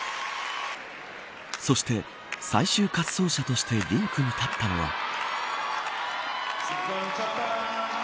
そして最終滑走者としてリンクに立ったのは。